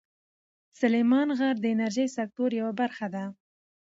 سلیمان غر د انرژۍ سکتور یوه برخه ده.